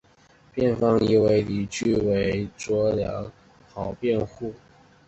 辩方以为理据为卓良豪辩护。